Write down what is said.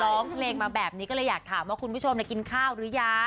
ร้องเพลงมาแบบนี้ก็เลยอยากถามว่าคุณผู้ชมกินข้าวหรือยัง